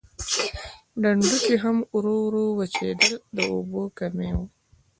ډنډونکي هم ورو ورو وچېدل د اوبو کمی و.